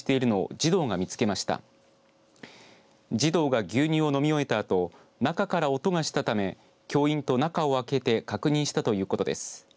児童が牛乳を飲み終えたあと中から音がしたため教員と中を開けて確認したということです。